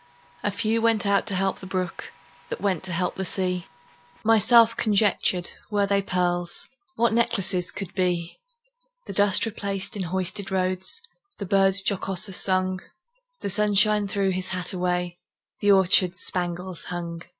A few went out to help the brook, That went to help the sea. Myself conjectured, Were they pearls, What necklaces could be! The dust replaced in hoisted roads, The birds jocoser sung; The sunshine threw his hat away, The orchards spangles hung.